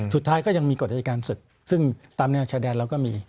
สุดท้ายก็ยังมีกฎอายการศึกซึ่งตามแนวชายแดนเราก็มี